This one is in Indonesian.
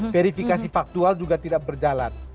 verifikasi faktual juga tidak berjalan